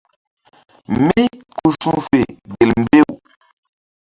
Mí ku su̧fe gel mbew.